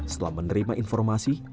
setelah menerima informasi